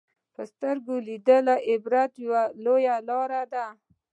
په سترګو لیدل د عبرت یوه لاره ده